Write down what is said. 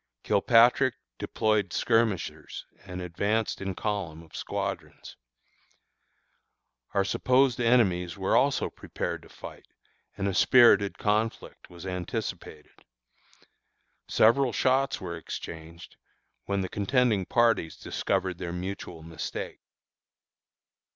Kilpatrick deployed skirmishers and advanced in column of squadrons. Our supposed enemies were also prepared for fight, and a spirited conflict was anticipated. Several shots were exchanged, when the contending parties discovered their mutual mistake.